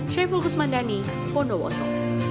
syai fulkus mandani pondo woso